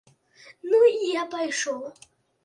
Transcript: Ну, і я пайшоў.